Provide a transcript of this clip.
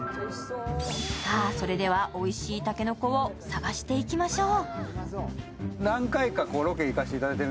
それではおいしい竹の子を探していきましょう。